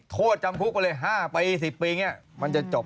โทษจำพุกไปเลย๕๑๐ปีมันจะจบ